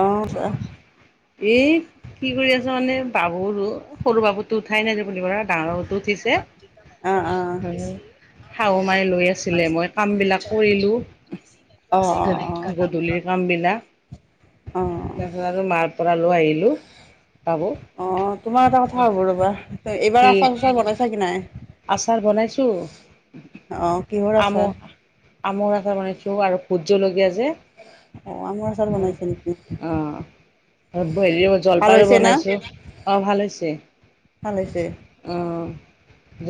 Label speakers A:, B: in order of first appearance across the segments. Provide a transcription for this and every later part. A: অ' যোৱা।
B: এই, কি কৰি আছ মানে বাবুৰ অ', সৰু বাবুতো উঠাই নাইজে অথনিৰ পৰা। ডাঙৰটো উঠিছে, শাহুমাই লৈ আছিলে মই কামবিলাক কৰিলোঁ। গধূলি, গধূলিৰ কাম বিলাক
A: অ',
B: তাৰপিছত আৰু মাৰপৰা লোৱা আহিলোঁ- বাবুক।
A: অ', তোমাৰ এটা কথা হ'ব ৰ'বা এইবাৰ
B: কি
A: আচাৰ -চাচাৰ বনাইছা কি নাই?
B: আচাৰ বনাইছো
A: অ', কিহৰ আচাৰ?
B: আমৰ-আমৰ আচাৰ বনাইছো আৰু ভূতজলকীয়া যে
A: আমৰ আচাৰ
B: অ',
A: বনাইছে নেকি?
B: অ '
A: ভাল
B: জলফাইৰও
A: হৈছে না?
B: বনাইছো অ', ভাল হৈছে।
A: ভাল হৈছে।
B: অ'।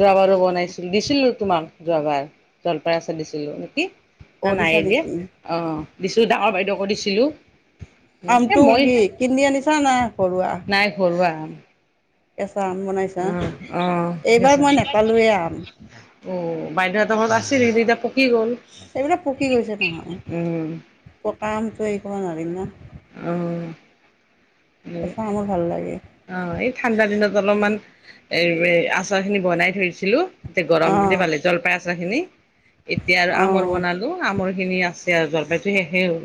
B: যোৱাবাৰো বনাইছিলোঁ, দিছিলোঁ তোমাক যোৱাবাৰ, জলপাই আচাৰ দিছিলোঁ নেকি? না
A: অ', দিছা
B: নাইয়ে দিয়া,
A: নেকি?
B: অ', দিছিলোঁ ডাঙৰ বাইদেউক অ', দিছিলোঁ।
A: আমটো কি, কিনি আনিছা না ঘৰুৱা?
B: নাই ঘৰুৱা
A: কেঁচা আম বনাইছা,
B: উম অ ঠিক
A: এইবাৰ মই নাপালোৱে আম।
B: বাইদউহঁত ঘৰত আছিল, কিন্তু
A: অ'
B: এতিয়া পকি গ'ল,
A: এইবিলাক পকি গৈছে
B: উম
A: ত' হেৰি কৰিব নোৱাৰিম না।
B: অ'। উম,
A: কেঁচা আমোল ভাল লাগে
B: অ', এই ঠাণ্ডা দিনত অলপমান এ এ, আচাৰখিনি বনাই থৈছ ছিলোঁ, এতিয়া গৰম
A: অঁ
B: দিনেই পালে, জলপাই আচ চাৰ খিনি এতিয়া আৰু আমৰ
A: অঁ
B: বনালোঁ, আমৰ সেখিনি আছে আৰু জলপাইতো শেষেই হ'ল।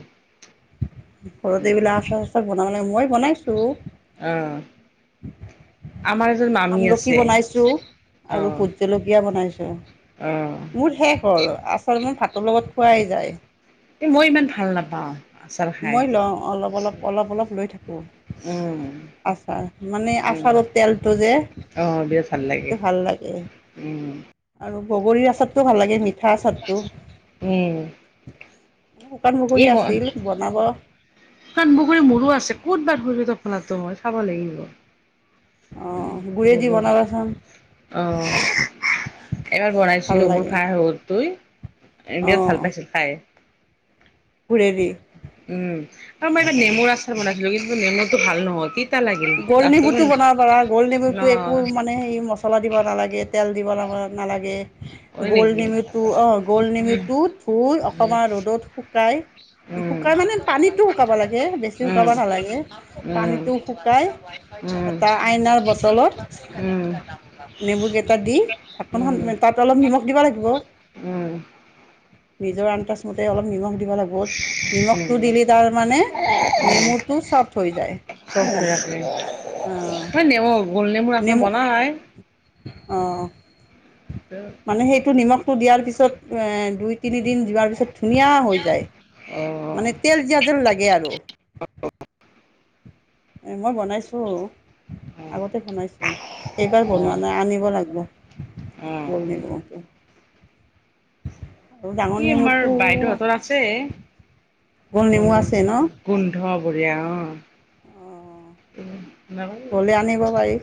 A: ঘৰতে এইবিলাক আচাৰচাচৰ বনাব লাগে মই বনাইছোঁ
B: অ'। আমাৰ এজন মামী
A: আমলখি
B: আছে
A: বনাইছো আৰু
B: অ',
A: ভোট জলকীয়া বনাইছো। অ'। মোৰ শেষ হ'ল আচল মই ফ তোৰ লগত পোৱাই যায়।
B: এ মই ইমান ভাল নাপাও।
A: মই লওঁ, অলপ অলপ অলপ অলপ লৈ থাকো
B: উম,
A: আচাৰ মানে
B: উম,
A: আচাৰৰ তেলটো যে
B: অ', বিৰাট ভাল লাগে
A: খেইটো ভাল লাগে
B: উম,
A: আৰু বগৰীৰ আচাৰটো ভাল লাগে মি
B: উম।
A: শুকান
B: এই
A: বগৰী
B: মই
A: আছিল। ক
B: [unintelligible] মোৰো আছে ক'ত বা গ'ল টোপোলাটো মই চাব লাগিবিব।
A: অঁ গুৰেদি
B: অহ,
A: বনাবাচোন
B: এবাৰ
A: ভাল
B: বনাইছিলো মোৰ
A: লাগে
B: ভাই হল তই বিৰাট ভাল
A: অঁ
B: পাইছিল খাই।
A: গুৰেদি
B: উম আৰু বাইদেউ নেমুৰ আচাৰ বনাইছিলো কিন্তু নমুটো ভাল নহল কি
A: গোল নেমুটো বনাব পাৰা, গোল
B: ন
A: নেমুতটো একো মানে মচলা মচলা দিব নালাগে, তেল দিব নালাগে। নালাগে,
B: হয়
A: গোল
B: নেকি
A: নেমুটো অ' গোল নেমুটো তো‌
B: উম,
A: অকমান ৰদত শুকুৱাই,
B: উম,
A: শুকুৱাই মানে পানীটো শুকাব লাগে, বেছি শুকাব
B: উম,
A: নালাগে,
B: উম,
A: পানীটো শুকাই এটা আইনাৰ বটলত নেবু কেইটা দি ঢাকনখন তাইত অলপ নিমখ দিব লাগিব।
B: উম।
A: নিজৰ আন্দাজমতে অলপ নিমখ দিব লাগে, নিমখটো দিলি তাৰ মানে নেমুটো চফ্ট হৈ যায়। অ'
B: মনে ম গোল নেমু আছে বনা নাই।
A: অঁহ। মানে সেইটো নিমখ ফুটটো দিয়াৰ পিছত দুই, তিনি দিন যোৱাৰ পিছত ধুনীয়া হৈ যায়।
B: অঁ
A: মানে তেল দিয়াযেন লাগে আৰু মই বনাইছো আগতে বনাইছিলো, এইবাৰ বনোৱা
B: অঁ
A: নাই আনিব লাগিব।
B: অঁ
A: [unintelligible] আৰু ডাঙৰ
B: কি আমাৰ
A: নেমুটো
B: বাইদেউহঁতৰ আছে।
A: গোল নেমু আছে ন'।
B: অ' বঢ়িয়া অ'।
A: অঁ
B: উ।
A: গ'লে আনিব পাৰি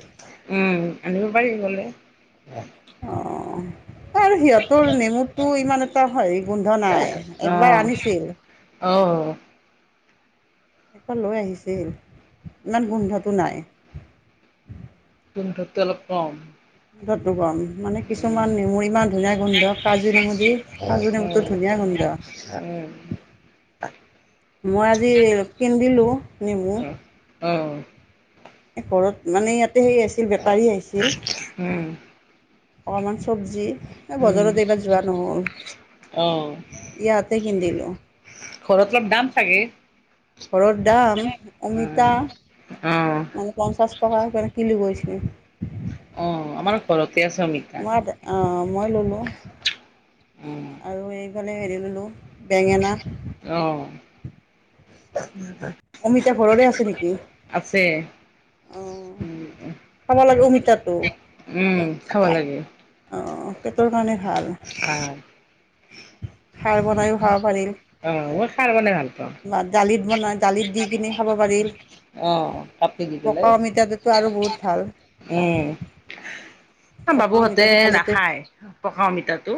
B: উম, এনে। পাৰি গ'লে
A: অহ। আৰু সিহঁতৰ নেমুতটো ইমান এটা হেৰি গোন্ধ নাই একবাৰ
B: অঁ
A: আনিছিল।
B: অঁ
A: এপাল লৈ আহিছিল ইমান গোন্ধটো নাই।
B: তহঁততকে অলপ কম।
A: গোন্ধটো কম মানে কিছুমান নেমু ইমান ধুনীয়া গোন্ধ কাজু নেমু দি কাজু নেমুটো
B: অঁ
A: ধুনীয়া গোন্ধ। মই আজি কিনন্দিলো। নেমু
B: অ।
A: ঘৰত মানে ইয়াত সেই আছিল বেপাৰী আহিছিল। অমানছ চবজি এই বজাৰত এইবাৰ যোৱা নহ'ল
B: অঁ অঁ
A: ইয়াতে কিনন্দিলো। অহ।
B: ঘৰত অলপ দাম থাকে।
A: ঘৰৰ দাম অমিতা
B: অ
A: মানে পঞ্চাছ টকা কে কিলো গৈছে। [unintelligible]
B: অ আমাৰ ঘৰত
A: মই অ মই ললো
B: উম
A: আৰু এই মানে হেৰি ললো বেঙেনা।
B: অহ [unintelligible]
A: এতিয়া ঘৰৰে আছে নেকি? আহ
B: উম
A: খাব লাগিব অমিতাটো।
B: উম খাব লাগে।
A: অঁ পেটৰ কাৰণে ভাল।
B: ভাল
A: খাৰ বনাইো খাব পাৰি।
B: অ মই খাৰ বনাই ভাল পাওঁ
A: বা দালিত বনাই দালিত দি কিনি খাব পাৰি।
B: অ কাটি দি পেলাই
A: পকা অমিতাটোতো আৰু বহুত ভাল।
B: উম
A: পকা
B: বাবুহঁতে
A: অমিতাটো খালেতো
B: নাখায়। পকা অমিতাটো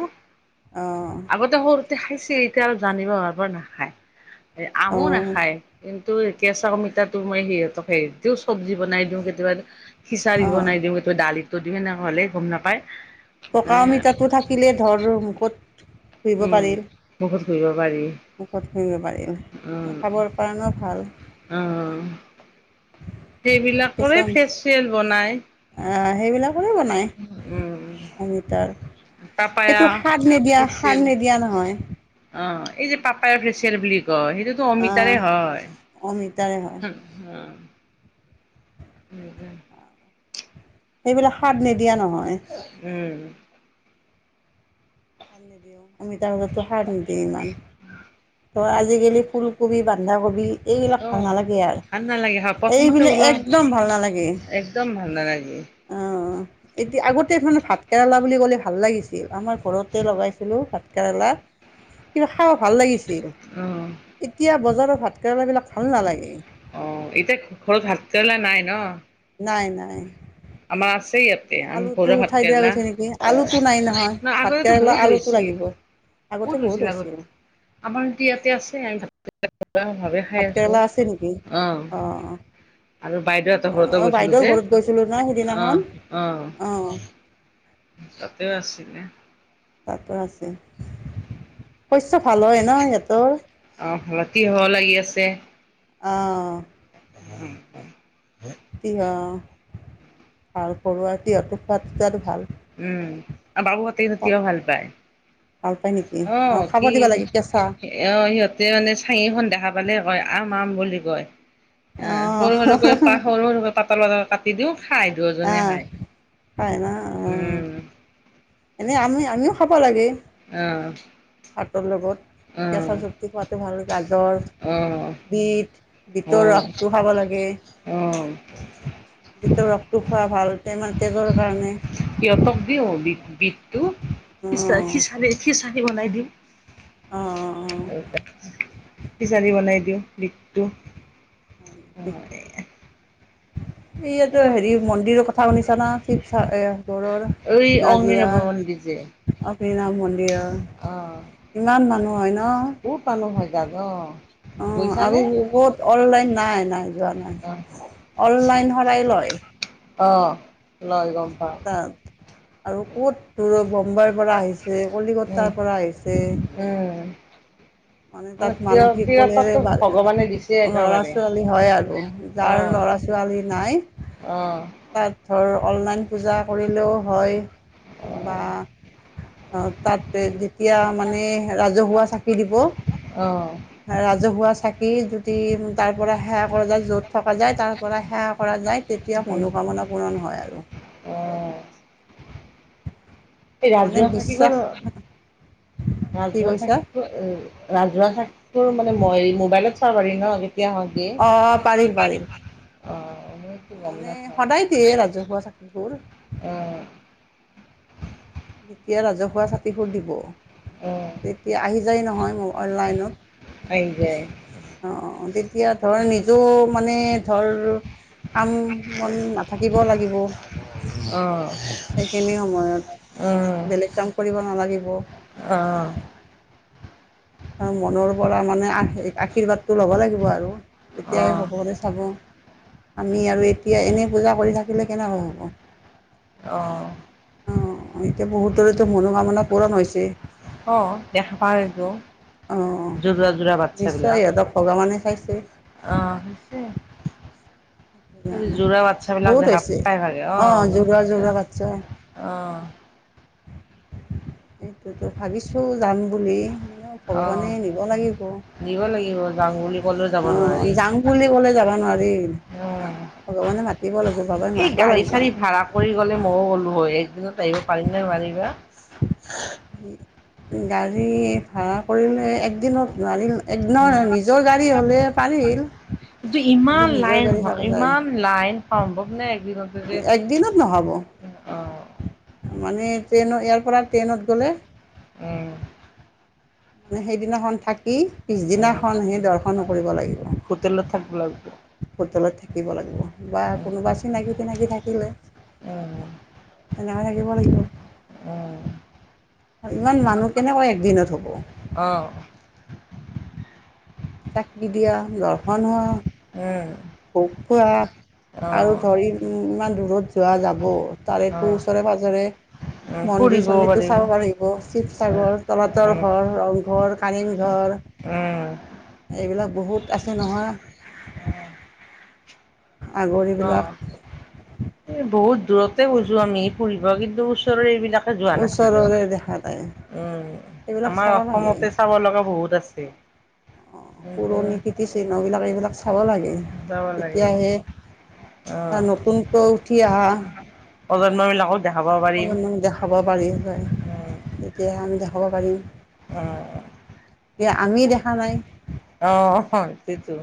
A: অঁ
B: আগতে সৰুতে খাইছ এতিয়া আৰু জানিব হোৱা পৰা নাখায়। আমো
A: অঁ
B: নাখায় কিন্ত। কেঁচা কমিতা মই সিহঁতক হেৰি দিও, চব্জি বনাই দিওঁ কেতিয়াবা খিচাৰি
A: অঁ
B: বনাই দিও, এনেকে ডালিত যদিও এনেকুৱা হলে, গম নাপায়।
A: পকা
B: মানে
A: অমিতাটো থাকিলে ধৰ মুখত ঘঁহিব
B: উম
A: পাৰি
B: মুখত ঘহিব পাৰি।
A: [unintelligible] খাবৰ কাৰণে ভাল।
B: অ। সেইবিলাকৰে ফেচিয়েল বনাই।
A: অ, সেইবিলাক। বনাই
B: উম
A: আমিতাৰ,
B: পাপায়া
A: সেটো খাৰ নিদিয়, খাৰ
B: ফেচিয়েল
A: নিদিয়া নহয়।
B: অ এই যে, পাপায়া ফেচিয়েল ব্লিক কয়, সেইটোতো
A: আহ
B: অমিতাৰে হয়।
A: অমিতাৰে হয়
B: [unintelligible]
A: সেইবিলাক খাৰ নেদিয়া।
B: উম। [inaudible]
A: অমিতাৰ মাজতো সাৰ নেদিয়ে ইমান, টো, আজিকালি ফুলকবি, বন্ধাকবি এইবিলাক
B: অ
A: ভাল নালাগে, আৰু
B: ভাল নালাগে হয় প্ৰথমতে
A: এইবিলাক,
B: ওলাও
A: একদম ভাল নালাগে,
B: একদম ভাল নালাগে
A: অ। এতিয়া, আগতে মানে ভাত কেৰেলা বুলি ক'লে, ভাল লাগিছিল আমাৰ ঘৰত লগাইছিলো ভাত কেৰেলা, কিবা খাব ভাল লাগিছিল।
B: অ
A: এতিয়া বজাৰত ভাত কেৰেলাবিলাক, ভাল নালাগে।
B: অ', এতিয়া ঘৰত ভাতকেৰেলা নাই ন?
A: নাই, নাই।
B: আমাৰ আ আছে ইয়াতে, আমি
A: আলুটো
B: ঘৰুৱা
A: উঠাই দিয়া
B: ভাতকেৰেলা,
A: গৈছে নেকি আলুটো নাই নহয়
B: আগতেটো
A: ভাতকেৰেলা
B: বহুত
A: আলুটো
B: হৈছিল,
A: লাগিব
B: বহুত হৈছিল আগতে, আমাৰ ইয়াতে আছে। আমি ভাতকেৰেলা ঘৰুৱাভাৱে খাই আছো,
A: ভাতকেৰেলা আছে নেকি
B: অ',
A: অঁ
B: আৰু বাইদেউহঁতৰ ঘৰতেও গৈছিলো যে।
A: সিদিনাখন অ'
B: তাতে আছিলে।
A: তাতো আছে। [unintelligible] ভাল হয় ন, সিহঁতৰ?
B: কি আছে
A: অ'।
B: [inaudible]
A: [inaudible] ভাল পৰুৱাৰ তিহতোৰ সোৱাদ চোৱাদো ভাল।
B: উম। বাবুহতি [unintelligible] তিয়'হ ভাল পায়।
A: ভাল পায় নেকি
B: অ',
A: খাব
B: কি?
A: দিব লাগে কেঁচা
B: অ', সিহঁতে মানে চঙিখন দেখা পালে কয় আম আম বুল [unintelligible]
A: অ
B: এহ, সৰু সৰুকৈ পাহ সৰু সৰুকৈ পাতল পাতল কাট দিদও। খাই দুহজনে
A: আহ
B: খায়।
A: খাই
B: উম।
A: এনে আমি আমিও খাব লাগে।
B: অহ।
A: ভাতৰ লগত কেঁচা চবজি খোৱাটো ভাল। গাজৰ, বিট, বিটৰ
B: অ'
A: ৰসটো খাব লাগে।
B: অ' অ'।
A: বিটৰ ৰসটো খোৱা ভাল। তে মানে তেজৰ কাৰণে
B: সিহঁতক দিওঁ বিট-বিটটো।
A: অ
B: খিচা-খিচাৰি খিচাৰি বনাই দিম।
A: অ অ
B: [inaudible] কিজানি বনাই দিওঁ বিটটো। [inaudible]
A: ইয়াতো হেৰি মন্দিৰৰ কথা শুনিছানা? শিৱসাগৰ
B: এই অগ্নি
A: নাজিৰা
B: নৱ মন্দিৰ যে
A: অ' বৃণামণ। তিয়াহ
B: অ'।
A: ইমান মানুহ হয় ন'।
B: বহুত মানুহ হয় তাত অ'।
A: অ',
B: গৈছানে?
A: আৰু ক'ত অনলাইন নাই, নাই যোৱা নাই।
B: অ',
A: অনলাইন সৰাই লয়।
B: লল গম। পাওঁ।
A: তাত। আৰু ক'ত দূৰত। বম্বাইৰ পৰা আহিছে,
B: উম,
A: কলিকতাৰ পৰা আহিছে।
B: উম,
A: মানে তাত
B: তিৰ
A: মানসিক পলেৰে
B: তিৰতাটো
A: পাৰে।
B: ভগৱানে দিছে
A: লৰা
B: একেবাৰে।
A: ছোৱালী হয় আৰু যাৰ
B: অ',
A: লৰা ছোৱালী নাই
B: অ', অ',
A: তাত [unintelligible] অলনাইন পূজা কৰিলেও হয়। বা। অহ, তাতে যেতিয়া মানে ৰাজহুৱা চাকি দিব।
B: অ'।
A: ৰাজহুৱা চাকি যদি তাৰ পৰা সেৱা [unintelligible] য'ত থকা যায় তাৰ পৰা সেৱা কৰা যায়। তেতিয়া
B: অ'।
A: মনোকামনা পুৰণ হয় আৰু।
B: এই
A: মানে
B: ৰাজহুৱা চাকি,
A: বিশ্বাস কি
B: ৰাজহুৱা
A: কৈছা
B: চাকি, ৰাজুহুৱা চাকি মানে মই মোবাইলত। ন। [inaudible]
A: অ' পাৰিম পাৰিম।
B: অ' মই।
A: মানে সদায় দিয়ে ৰাজহুৱা চাকিবোৰ।
B: অ'।
A: এতিয়া ৰাজহুৱা চাতিখোৰ দিব
B: অ
A: তেতিয়া আহি যায় নহয়। উম, অনলাইনত।
B: আহি যায়।
A: এতিয়া ধৰ নিজও মানে ধৰ কাম-বন নাথাকিব লাগিব।
B: অ'।
A: সেইখিনি সময়ত
B: অ
A: বেলেগ কাম কৰিব নালাগিব।
B: অ'।
A: মনৰ পৰা মানে আৰ্শী-আশীৰ্বাদতো ল'ব লাগিব আৰু। তেতিয়াহে ভগৱানে চাব। আমি আৰু এতিয়া এনেই পূজা কৰি থাকিলে কেনেকৈ হ'ব।
B: অ'।
A: অ', এতিয়া বহুতৰেতো মনোকামনা পূৰণ হৈছেই।
B: অ দেখা পাওঁ এইটো
A: অ
B: যোৰা যোৰা
A: নিশ্চয় সিহঁতক ভগৱানে চাইছে।
B: অহ হৈছে।
A: সেইকাৰণে
B: যোৰা বাচ্ছা বিলাক
A: বহুত হৈছে
B: দেখাত প্ৰাইভাগে
A: অঁ
B: অহ,
A: যোৰা যোৰা বাচ্ছা
B: অহ।
A: এইটোতো ভাবিছো। যাম বুলি,
B: অ
A: ভগৱানে নিব লাগিব,
B: দিব লাগিব যাওঁ বুলি ক'লেও যাব
A: অহ
B: নোৱাৰি
A: যাম বুলি কলে যাবা নোৱাৰিম
B: অ
A: ভগৱানে মাতিব লাগিব, বাবাই
B: এই
A: মাতবা
B: গাড়ী
A: লাগব।
B: চাড়ী ভাড়া কৰি গ'লে ময়ো গ'লো হয়, একদিনত আহিব পাৰিম নে নোৱাৰি বা?
A: উম। গাড়ী ভাড়া কৰিলে একদিনত নোৱাৰিম। একদিনৰ
B: উম
A: আ নিজৰ গাড়ী হ'লে পাৰিল,
B: কিন্তু ইমান
A: নিজৰ
B: লাইন
A: গাড়ী
B: হয়
A: থাকা যায়।
B: ইমান লাইন সম্ভৱ নে একদিনতে যে
A: একদিনত নহব।
B: অ
A: মানে, ট্ৰেইনৰ ইয়াৰ পৰা ট্ৰেইনত গ'লে।
B: উম
A: মানে, সেইদিনাখন থাকি।
B: উম
A: পিছদিনাখনহি দৰ্শনো কৰিব
B: হোটেলত থাকিব
A: লাগিব। হোটেলত থাকিব লাগিব। বা
B: উম
A: কোনোবা চিনাকি, টিনাকি থাকিলে
B: উম
A: সেনে। মা থাকিব লাগিব।
B: অ।
A: অ'' ইমান মানুহ কেনেকৈ একদিনত হ'ব?
B: অ।
A: চাকি দিয়া, দৰ্শন হোৱা।
B: উম।
A: ভোগ খোৱা,
B: অ
A: আৰু ধৰি ই ইমান দূৰত যোৱা যাব
B: অ
A: তাৰেটো ওচৰে পাজৰে।
B: উম
A: মন্দিৰ
B: ফুৰিব
A: চন্দিৰটো চাব
B: উম
A: পাৰিব, চিপ্স। তগৰ তলাতৰ
B: উম
A: ঘৰ, ৰংঘৰ কাৰেংঘৰ
B: উম
A: এইবিলাক বহুত আছে নহয়। আগৰ
B: অ
A: এইবিলাক
B: এই বহুত। দূৰতে গৈছো আমি ফুৰিব, কিন্তু ওচৰৰে এইবিলাক। যোৱা নাছিলো,
A: ওচৰৰে দেখা যায়
B: উম
A: এইবিলাক
B: আমাৰ
A: চাব লাগে
B: অসমতে চাব লগা বহুত আছে। কিন্তু?
A: খাব লাগে
B: যাব লাগে
A: তেতিয়াহে
B: অ',
A: নতুনকৈ উঠি আহা।
B: প্ৰজন্ম বিলাকত।
A: অকমান মান দেখাব পাৰি হয়, যেতিয়া আমি দে। হ'ব পাৰিম।
B: অহ।
A: এতিয়া আমি দেখা নাই?
B: সেইটোৱেতো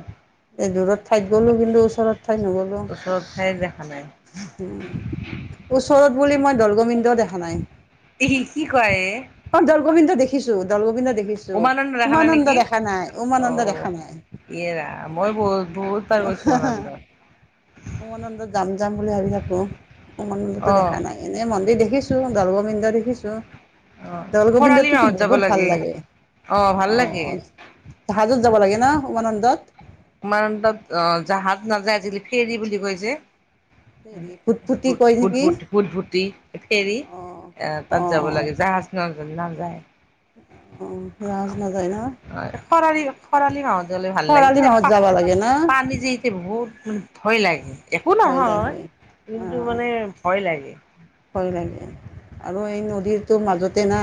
A: এই দূৰত ঠাইত গ'লো, কিন্তু ওচৰত ঠাইত নগলো।
B: হয় নাই?
A: উম, ওচৰত। বুলি মই। দৌলগোবিন্দ দেখা নাই।
B: ই কি কয় এ
A: অ দৌলগোবিন্দ দেখিছোঁ দৌলগোবিন্দ।
B: উমানন্দ দেখা নাই নেকি অ
A: উমানন্দ দেখা নাই
B: ইয়ে ৰাম মই বহুত বহুত। বাৰ
A: উ
B: গৈছো উমানন্দ।
A: উমানন্দত যাম যাম বুলি ভাবি থাকো উমানন্দতো
B: অ',
A: দেখা নাই এনেই মন্দিৰ দেখিছোঁ। [unintelligible] দৌলগোবিন্দ দেখিছোঁ।
B: অ', খৰালি
A: দৌলগোবিন্দটো
B: মাহত যাব
A: বহুত ভাল লাগে
B: ভাল
A: অ
B: লাগে
A: জাহাজত। যাব লাগে না উমানন্দত।
B: উমানন্দত অ জাহাজ নাযায় আজিকালি ফেৰী বুলি কয় যে।
A: হেৰি ফুটফুটি
B: ভূত ভুট
A: কয়
B: ভূত
A: নেকি
B: ভূত ভূতভূতি ফেৰী
A: অ
B: আ
A: অ
B: তাত যাব লাগে জাহাজ নহয়। জনা যায়।
A: অ জাহাজ নাযায় ন
B: খৰালি খৰালি হাহত গ'লে ভাল লাগি।
A: ই মাহত যাব লাগে না।
B: উম ভয় লাগে। একো
A: ভয়
B: নহয়
A: লাগে অ
B: কিন্তু মানে ভয় লাগে।
A: ভয় লাগে আৰু এই নদীৰটো মাজতে না।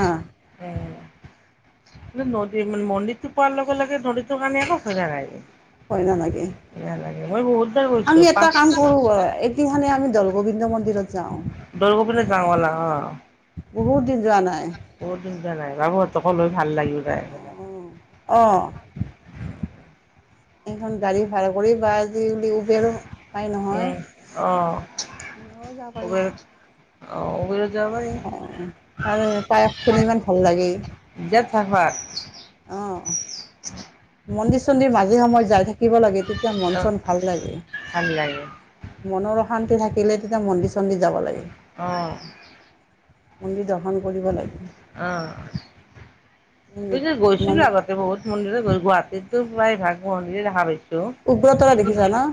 B: উম নদী মানে মন্দিৰতটো পোৱাৰ লগে লগে নদীটোৰ কাৰণে একো ভয় নালাগে।
A: ভয় নালাগে
B: নালাগে মই বহুতবাৰ গৈছো
A: আমি এটা
B: পাঁচ
A: কাম কৰোঁ এদিনাখন আমি দৌলগোবিন্দ। দিৰত যাওঁ।
B: দৌলগোবিন্দত যাওঁ বোলা।
A: [inaudible] নাই
B: বহুত দিন যোৱা নাই। [unintelligible] অকল হৈ। ভাল লাগিবা।
A: অঁ অঁ
B: [unintelligible]
A: এখন গাড়ী ভাড়া কৰি বাছ। আজিকালি উবেৰো পায় নহয়
B: উম অ
A: ময়ো যাব পাৰিম।
B: অও।
A: তাৰে পায়স খিনি ইমান ভাল লাগে।
B: বিৰাট ভাল
A: অ।
B: [unintelligible]
A: মন্দিৰ চন্দিৰ মাজে সময় যাই থাকিব লাগে তেতি। তেতিয়া মন
B: সোৱাদ অ'
A: চন ভাল লাগে
B: ভাল লাগে
A: মনৰ। অশান্তি থাকিলে তেতিয়া মন্দিৰ। চণ্ডীৰ যাব লাগে।
B: অ'
A: মন্দিৰ যাওঁ।
B: অ গৈছিলো
A: মানে
B: আগতে বহুত মন্দিৰত গুৱাহাটীতো প্ৰায় ভাগ মন্দিৰ দেখা পাইছোঁ।
A: উগ্ৰতৰা দেখিছা ন?